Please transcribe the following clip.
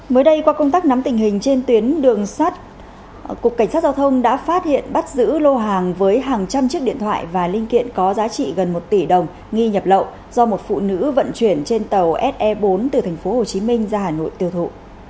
mới đây qua công tác nắm tình hình trên tuyến đường sắt cục cảnh sát giao thông đã phát hiện bắt giữ lô hàng với hàng trăm chiếc điện thoại và linh kiện có giá trị gần một tỷ đồng nghi nhập lậu do một phụ nữ vận chuyển trên tàu se bốn từ tp hcm ra hà nội tiêu thụ